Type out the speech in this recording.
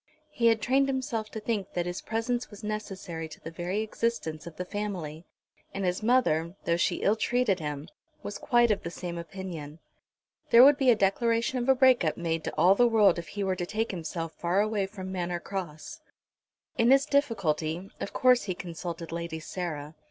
He had trained himself to think that his presence was necessary to the very existence of the family; and his mother, though she ill treated him, was quite of the same opinion. There would be a declaration of a break up made to all the world if he were to take himself far away from Manor Cross. In his difficulty, of course he consulted Lady Sarah.